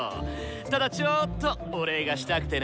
ただちょっとお礼がしたくてな。